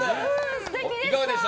いかがでした？